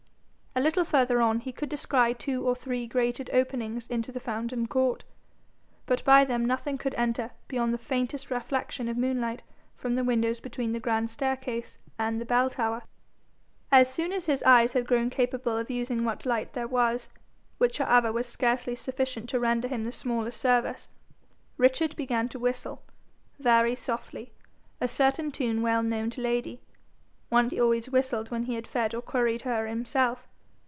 A little further on, he could descry two or three grated openings into the fountain court, but by them nothing could enter beyond the faintest reflection of moonlight from the windows between the grand staircase and the bell tower. As soon as his eyes had grown capable of using what light there was, which however was scarcely sufficient to render him the smallest service, Richard began to whistle, very softly, a certain tune well known to Lady, one he always whistled when he fed or curried her himself.